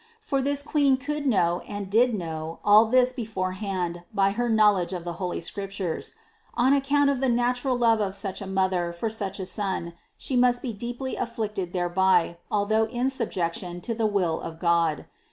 For this Queen could know and did know all this beforehand by her knowledge of the holy Scriptures. On account of the natural love of such a Mother for such a Son, She must be deeply afflicted thereby, although in subjection to the will of God.